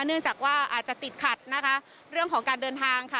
เนื่องจากว่าอาจจะติดขัดนะคะเรื่องของการเดินทางค่ะ